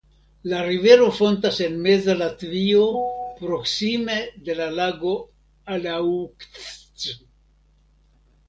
La rivero fontas en meza Latvio proksime de la lago Alauksts.